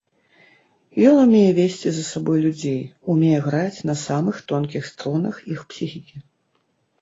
Ён умее весці за сабой людзей, умее граць на самых тонкіх струнах іх псіхікі.